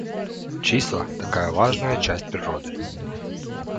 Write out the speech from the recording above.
Числа, такая важная часть природы!